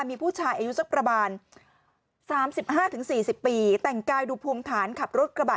มีผู้ชายอายุสักประมาณ๓๕๔๐ปีแต่งกายดูภูมิฐานขับรถกระบะ